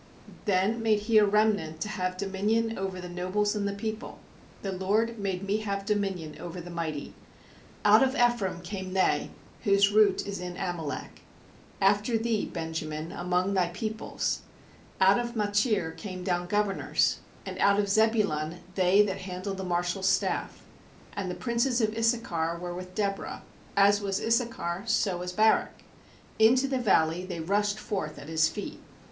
13Then made He a remnant to have dominion over the nobles and the people; The LORD made me have dominion over the mighty. 14Out of Ephraim came they whose root is in Amalek; After thee, Benjamin, among thy peoples; Out of Machir came down governors, And out of Zebulun they that handle the marshal's staff. 15And the princes of Issachar were with Deborah; As was Issachar, so was Barak; Into the valley they rushed forth at his feet.